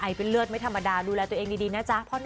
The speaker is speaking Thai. ไอเป็นเลือดไม่ธรรมดาดูแลตัวเองดีเนี่ยจ๊ะพ่อหนุ่ม